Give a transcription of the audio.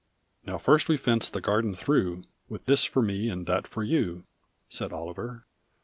"Now first we fence the garden through, With this for me and that for you," Said Oliver.